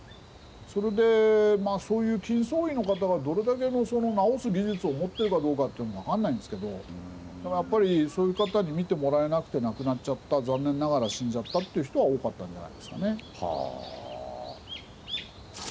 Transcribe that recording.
それでまあそういう金創医の方がどれだけのその治す技術を持ってるかどうかというのも分かんないんですけどやっぱりそういう方に診てもらえなくて亡くなっちゃった残念ながら死んじゃったという人は多かったんじゃないですかね。は。